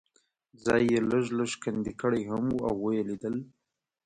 ځای یې لږ لږ کندې کړی هم و او یې لیدل.